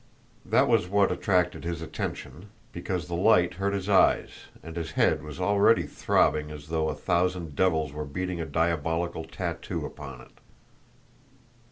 That was what attracted his attention, because the light hurt his eyes, and his head was already throbbing as though a thousand devils were beating a diabolical tattoo upon it.